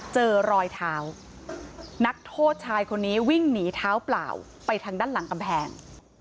เจอรอยเท้านักโทษชายคนนี้วิ่งหนีเท้าเปล่าไปทางด้านหลังกำแพง